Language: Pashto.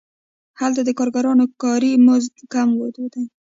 هلته د کارګرانو کاري مزد کم دی